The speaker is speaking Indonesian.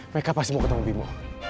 mereka pasti mau ketemu bimo